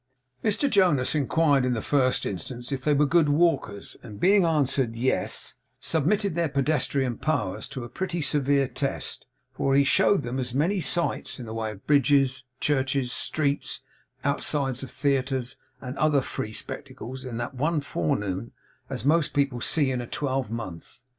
Mr Jonas inquired in the first instance if they were good walkers and being answered, 'Yes,' submitted their pedestrian powers to a pretty severe test; for he showed them as many sights, in the way of bridges, churches, streets, outsides of theatres, and other free spectacles, in that one forenoon, as most people see in a twelvemonth.